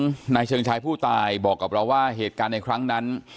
นายเชิงชายผู้ตายบอกกับเราว่าเหตุการณ์ในครั้งนั้น